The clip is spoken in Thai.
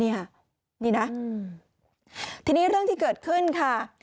นี่ค่ะนี่นะทีนี้เรื่องที่เกิดขึ้นค่ะ